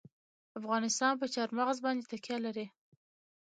افغانستان په چار مغز باندې تکیه لري.